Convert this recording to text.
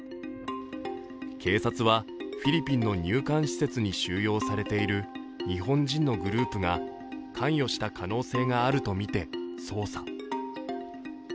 警察はフィリピンの入管施設に収容されている日本人のグループが関与した可能性があるとみて捜査。